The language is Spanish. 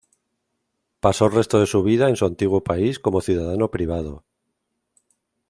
Pasó el resto de su vida en su antiguo país como ciudadano privado.